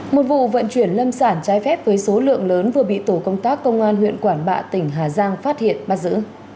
một vụ vận chuyển lâm sản trái phép với số lượng lớn vừa bị tổ công tác công an huyện quản bạ tỉnh hà giang phát hiện bắt giữ